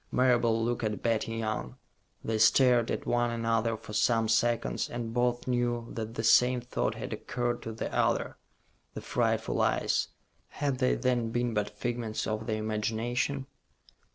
Marable looked at Betty Young. They stared at one another for some seconds, and both knew that the same thought had occurred to the other. The frightful eyes had they then been but figments of the imagination?